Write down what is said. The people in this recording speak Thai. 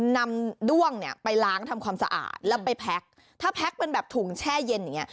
ด้วงเนี่ยไปล้างทำความสะอาดแล้วไปแพ็คถ้าแก๊กเป็นแบบถุงแช่เย็นอย่างเงี้